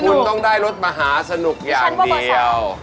คุณต้องได้รถมหาสนุกอย่างเดียว